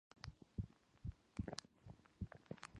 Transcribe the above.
The other variables are constant.